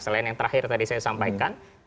selain yang terakhir tadi saya sampaikan